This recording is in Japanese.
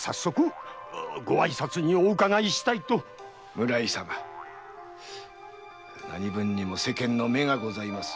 村井様何分にも世間の目がございます。